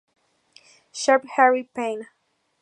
Sharpe, Harry Payne.